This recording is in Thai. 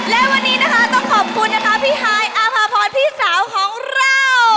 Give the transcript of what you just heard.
และวันนี้นะคะต้องขอบคุณนะคะพี่ฮายอาภาพรพี่สาวของเรา